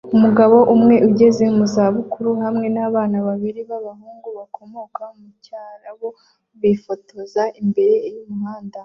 Umugabo umwe ugeze mu za bukuru hamwe nabana babiri b'abahungu bakomoka mucyarabu bifotoza imbere yumuhanda